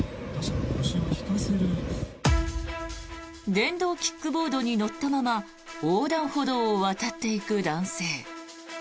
電動キックボードに乗ったまま横断歩道を渡っていく男性。